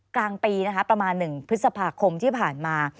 กลางปีนะคะประมาณ๑พฤษภาคมที่ผ่านมา